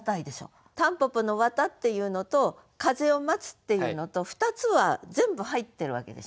蒲公英の「絮」っていうのと「風を待つ」っていうのと２つは全部入ってるわけでしょ。